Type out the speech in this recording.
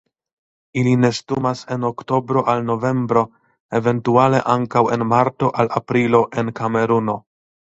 Ili nestumas en oktobro al novembro, eventuale ankaŭ en marto al aprilo en Kameruno.